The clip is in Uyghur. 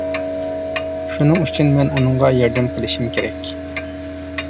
شۇنىڭ ئۈچۈن مەن ئۇنىڭغا ياردەم قىلىشىم كېرەك.